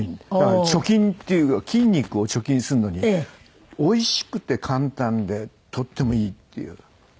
だから貯筋っていう筋肉を貯金するのにおいしくて簡単でとってもいいっていう。